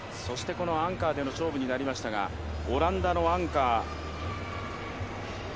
アンカーでの勝負になりました、オランダのアンカー。